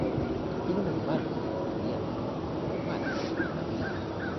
Tiene un hermano, Julien, y una hermana, Mathilde.